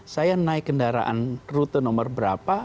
saya naik kendaraan rute nomor berapa